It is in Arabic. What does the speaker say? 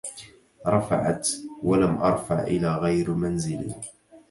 رفعت ولم أرفع إلى غير منزلي